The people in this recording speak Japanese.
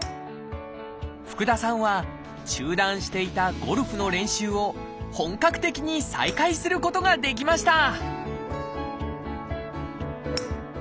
福田さんは中断していたゴルフの練習を本格的に再開することができました！